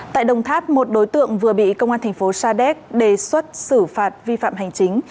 tại đồng tháp một đối tượng vừa bị công an thành phố sa đéc đề xuất xử phạt vi phạm hành chính